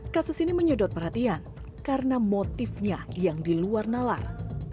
kasus ini menyedot perhatian karena motifnya yang diluar nalar